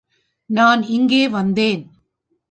நான் இங்கே வந்தேன்.